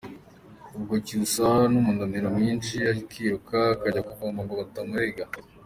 Ubwo Cyusa n'umunaniro mwinshi akiruka akajya kuvoma ngo batamurega.